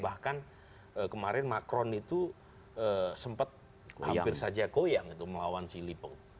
bahkan kemarin macron itu sempat hampir saja goyang itu melawan si lipo